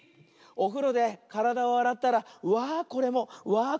おふろでからだをあらったらわあこれもわあ